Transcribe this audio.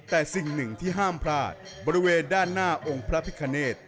แต่สิ่งหนึ่งที่ห้ามพลาดบริเวณด้านหน้าองค์พระพิคเนต